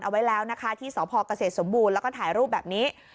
เอาไว้แล้วนะคะที่สพเกษตรสมบูรณ์แล้วก็ถ่ายรูปแบบนี้